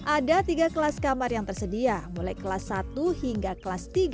ada tiga kelas kamar yang tersedia mulai kelas satu hingga kelas tiga